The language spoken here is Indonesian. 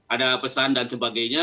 ada pesan dan sebagainya